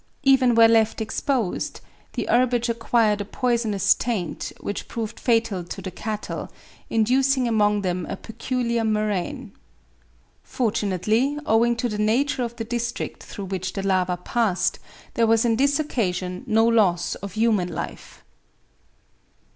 Even where left exposed, the herbage acquired a poisonous taint which proved fatal to the cattle, inducing among them a peculiar murrain. Fortunately, owing to the nature of the district through which the lava passed, there was on this occasion no loss of human life.